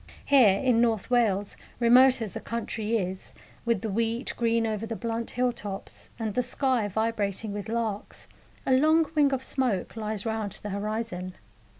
Here, in North Wales, remote as the country is, with the wheat green over the blunt hill tops, and the sky vibrating with larks, a long wing of smoke lies round the horizon.